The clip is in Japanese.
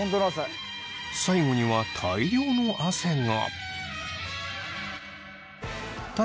最後には大量の汗が。